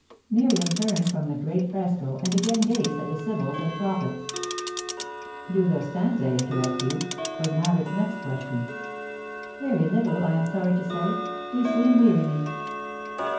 Miriam turned from the great fresco, and again gazed at the Sibyls and Prophets. "Do the Stanze interest you?" was Mallard's next question. "Very little, I am sorry to say. They soon weary me."